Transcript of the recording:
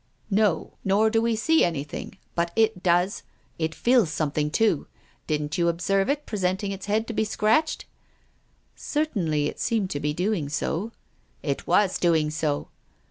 "" No. Nor do we see anything. But it does. It feels something too. Didn't you observe it presenting its head to be scratched ?"" Certainly it seemed to be doing so." " It was doing so."